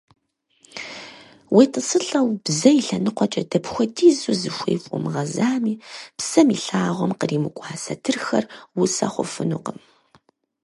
УетӀысылӀэу, бзэ и лъэныкъуэкӀэ дапхуэдизу зыхуей хуомыгъэзами, псэм и лъагъуэм къримыкӀуа сатырхэр усэ хъуфынукъым.